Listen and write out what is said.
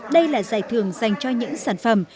đây là giải thưởng dành cho những sản phẩm